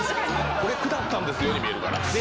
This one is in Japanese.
「これ下ったんですよ」に見えるから。